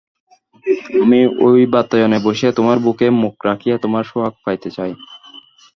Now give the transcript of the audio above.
আমি ওই বাতায়নে বসিয়া তোমার বুকে মুখ রাখিয়া তোমার সোহাগ পাইতে চাই।